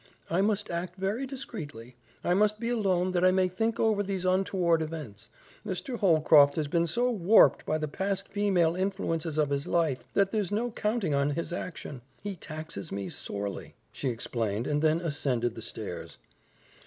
"I must act very discreetly. I must be alone that I may think over these untoward events. Mr. Holcroft has been so warped by the past female influences of his life that there's no counting on his action. He taxes me sorely," she explained, and then ascended the stairs.